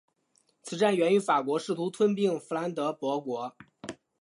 此战源于法国试图吞并弗兰德伯国。